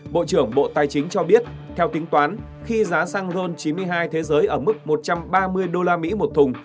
bộ tài chính cho biết theo tính toán khi giá xăng rôn chín mươi hai thế giới ở mức một trăm ba mươi usd một thùng